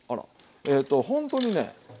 えっとほんとにね